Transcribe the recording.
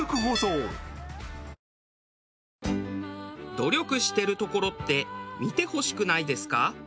努力してるところって見てほしくないですか？